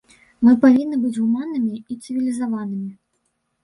Мы павінны быць гуманнымі і цывілізаванымі.